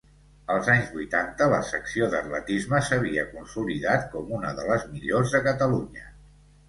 Als anys vuitanta la secció d’atletisme s’havia consolidat com una de les millors de Catalunya.